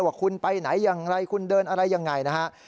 ว่าคุณไปไหนอย่างไรคุณเดินอะไรยังไงนะฮะ